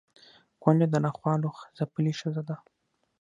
کونډه د ناخوالو ځپلې ښځه ده